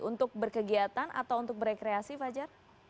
untuk berkegiatan atau untuk berekreasi fajar